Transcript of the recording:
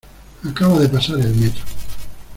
Acaba de pasar el metro.